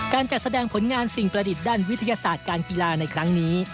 การจัดแสดงผลงานสิ่งประดิษฐ์ด้านวิทยาศาสตร์การกีฬาในครั้งนี้